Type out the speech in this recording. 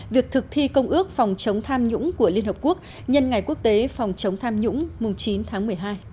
việc thực thi công ước phòng chống tham nhũng của liên hợp quốc nhân ngày quốc tế phòng chống tham nhũng chín tháng một mươi hai